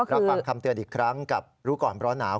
รับฟังคำเตือนอีกครั้งกับรู้ก่อนร้อนหนาว